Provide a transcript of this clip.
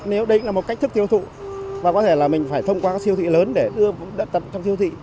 nếu đây là một cách thức tiêu thụ và có thể là mình phải thông qua các siêu thị lớn để đưa đất tập trong siêu thị